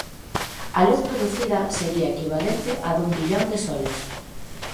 A luz producida sería equivalente á dun billón de soles.